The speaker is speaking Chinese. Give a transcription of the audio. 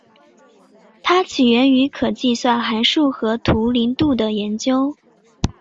它起源于可计算函数和图灵度的研究。